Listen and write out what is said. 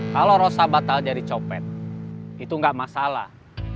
kalau rosa batal jadi copet itu nggak masalah